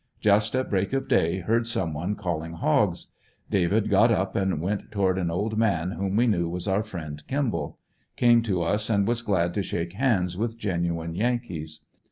Just at break of day heard some one calling hogs. David got up and went toward an old man whom we knew was our friend Kimball. Came to us, and was glad to shake hands with genuine Yankees.